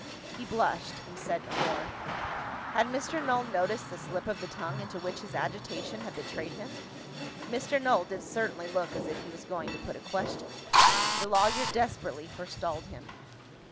He blushed, and said no more. Had Mr. Null noticed the slip of the tongue into which his agitation had betrayed him? Mr. Null did certainly look as if he was going to put a question. The lawyer desperately forestalled him.